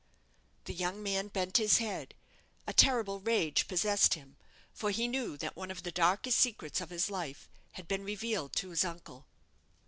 The young man bent his head. A terrible rage possessed him, for he knew that one of the darkest secrets of his life had been revealed to his uncle.